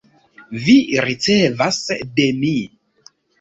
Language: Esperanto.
Vi ricevas de mi